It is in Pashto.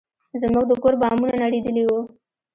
زموږ د کور بامونه نړېدلي وو.